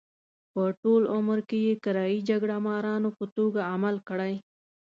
په ټول عمر کې یې کرایي جګړه مارانو په توګه عمل کړی.